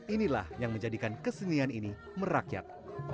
inilah yang menjadikan kesenian ini merakyat